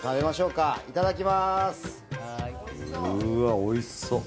うわおいしそう。